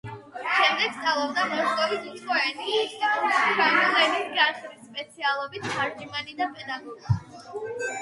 შემდეგ სწავლობდა მოსკოვის უცხო ენების ინსტიტუტში, ფრანგული ენის განხრით, სპეციალობით „თარჯიმანი და პედაგოგი“.